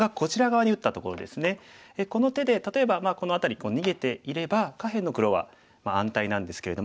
この手で例えばこの辺り逃げていれば下辺の黒は安泰なんですけれども。